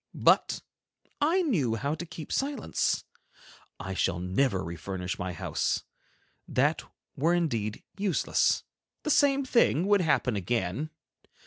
but I knew how to keep silence. I shall never refurnish my house. That were indeed useless. The same thing would happen again.